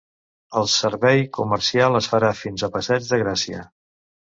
El servei comercial es farà fins a passeig de Gràcia.